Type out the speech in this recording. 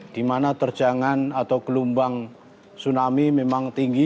di mana terjangan atau gelombang tsunami memang tinggi